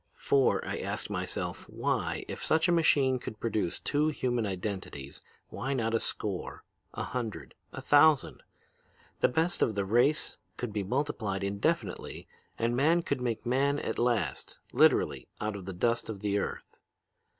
For, I asked myself, why, if such a machine could produce two human identities, why not a score, a hundred, a thousand? The best of the race could be multiplied indefinitely and man could make man at last, literally out of the dust of the earth.